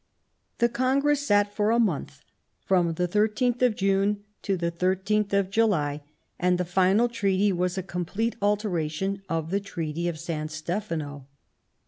The Congress sat for a month, from the 13th of June to the 13th of July ; and the final Treaty was a complete alteration of the Treaty of San Stefano.